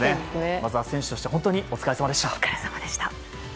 まずは、選手として本当にお疲れさまでした。